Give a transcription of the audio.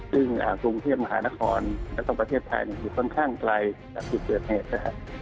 ซึ่งภูมิเทียบมหานครและส่วนประเทศไทยเนี่ยค่อนข้างไกลจากการที่เกิดเหตุนะครับ